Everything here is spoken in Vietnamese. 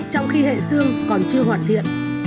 trong khi hệ xương còn chưa hoàn thiện